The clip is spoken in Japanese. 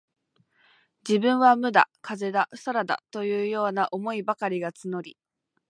自分は無だ、風だ、空だ、というような思いばかりが募り、